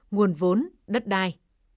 nguồn vốn đất đai